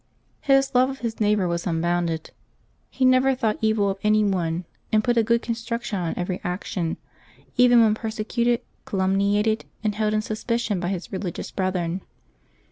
His love of his neighbor was unbounded. He never thought evil of any one, and put a good construction on every action, even when persecuted, calumniated, and held in suspicion by his religious brethren.